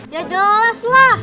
ya jelas lah